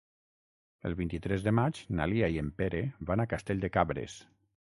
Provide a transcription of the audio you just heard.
El vint-i-tres de maig na Lia i en Pere van a Castell de Cabres.